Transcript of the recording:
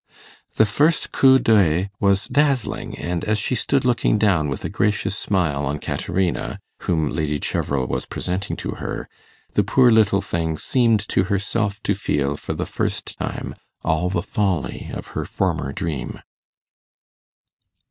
The first coup d'œil was dazzling, and as she stood looking down with a gracious smile on Caterina, whom Lady Cheverel was presenting to her, the poor little thing seemed to herself to feel, for the first time, all the folly of her former dream.